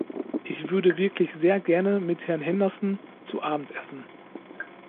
Ich würde wirklich sehr gerne mit Herrn Henderson zu Abend essen.